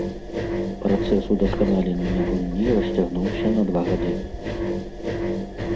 Працэс удасканалення гульні расцягнуўся на два гады.